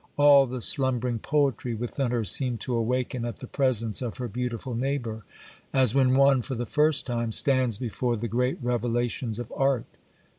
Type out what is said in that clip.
All the slumbering poetry within her seemed to awaken at the presence of her beautiful neighbour,—as when one, for the first time, stands before the great revelations of Art.